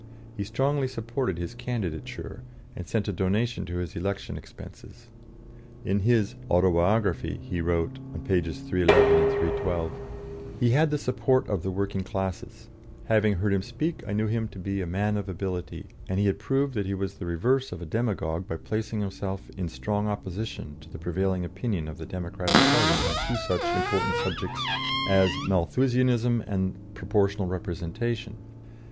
He strongly supported his candidature, and sent a donation to his election expenses. In his "Autobiography" he wrote (pp. 311, 312): "He had the support of the working classes; having heard him speak I knew him to be a man of ability, and he had proved that he was the reverse of a demagogue by placing himself in strong opposition to the prevailing opinion of the Democratic party on two such important subjects as Malthusianism and Proportional Representation.